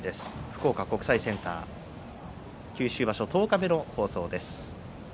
福岡国際センター九州場所、十日目の放送です。